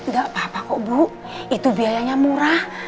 gak apa apa kok bu itu biayanya murah